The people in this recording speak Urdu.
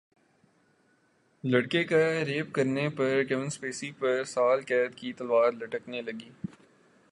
لڑکے کا ریپ کرنے پر کیون اسپیسی پر سال قید کی تلوار لٹکنے لگی